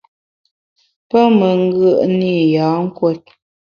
Pe me ngùe’ne i yâ nkùot.